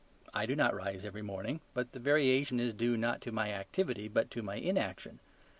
I do not rise every morning; but the variation is due not to my activity, but to my inaction.